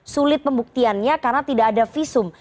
sulit pembuktiannya karena tidak ada visum